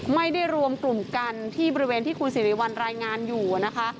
ไม่ได้รวมกลุ่มกันที่บริเวณที่คุณสิริวัลรายงานอยู่นะคะ